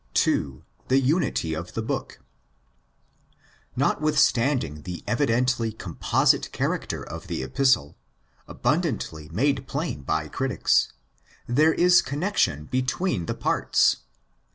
2.—TuHr Unity or THE Book. Notwithstanding the evidently composite character of the Epistle, abundantly made plain by critics, there is connexion between the parts.